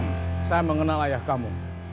saya mengenal ayah kamu